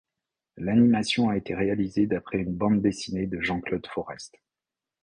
L'animation a été réalisée d'après une bande dessinée de Jean-Claude Forest.